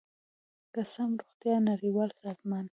که څه هم د روغتیا نړیوال سازمان